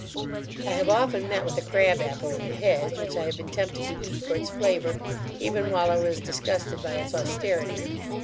I have often met with a crab apple in a hedge, which I have been tempted to eat for its flavour, even while I was disgusted by its austerity.